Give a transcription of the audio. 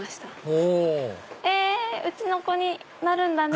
おうちの子になるんだね！